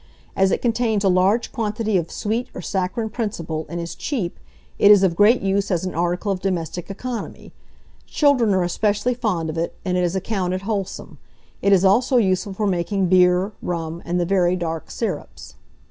As it contains a large quantity of sweet or saccharine principle and is cheap, it is of great use as an article of domestic economy. Children are especially fond of it; and it is accounted wholesome. It is also useful for making beer, rum, and the very dark syrups.